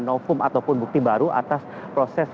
nofum ataupun bukti baru atas prosesnya